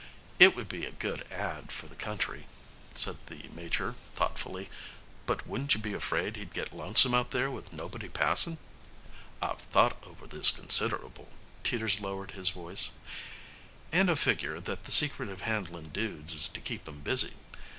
"It would be a good ad. for the country," said the Major, thoughtfully. "But wouldn't you be afraid he'd get lonesome out there with nobody passin'?" "I've thought over this consider'ble," Teeters lowered his voice, "and I figger that the secret of handlin' dudes is to keep 'em busy.